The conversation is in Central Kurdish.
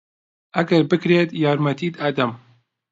ئەگەر بکرێت یارمەتیت دەدەم.